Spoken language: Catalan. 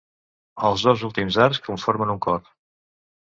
Els dos últims arcs conformen un cor.